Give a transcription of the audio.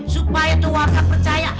supaya tuh wakak percaya